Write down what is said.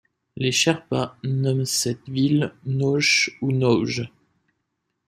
Les sherpas nomment cette ville Nauche ou Nauje.